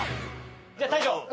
じゃ大将。